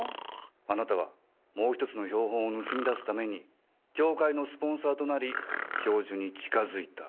あなたはもう１つの標本を盗み出すために協会のスポンサーとなり教授に近づいた。